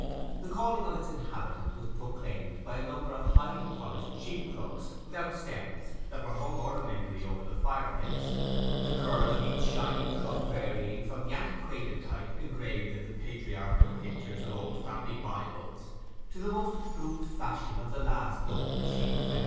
The calling of its inhabitant was proclaimed by a number of highly polished sheep crooks without stems that were hung ornamentally over the fireplace, the curl of each shining crook varying from the antiquated type engraved in the patriarchal pictures of old family Bibles to the most approved fashion of the last local sheep fair.